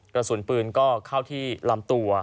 กระสุนปืนก็เข้าที่ลำตัว